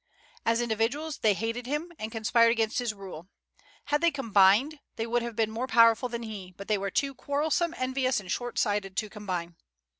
As individuals they hated him, and conspired against his rule. Had they combined, they would have been more powerful than he; but they were too quarrelsome, envious, and short sighted to combine.